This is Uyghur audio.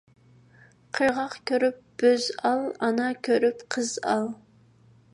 قىرغاق كۆرۈپ بۆز ئال، ئانا كۆرۈپ قىز ئال.